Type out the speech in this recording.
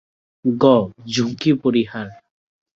গ. ঝুঁকি পরিহার